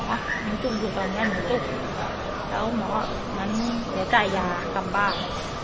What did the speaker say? หนูจุกอยู่ตรงแรโม่นั้นหมอมันเหลือใจยากลับบ้าน